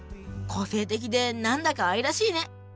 個性的でなんだか愛らしいね。